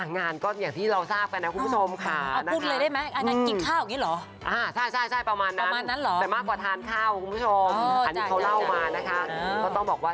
งานก็อย่างที่เราทราบกันนะคุณผู้ชมค่ะ